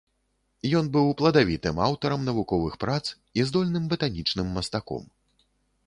Ён быў пладавітым аўтарам навуковых прац і здольным батанічным мастаком.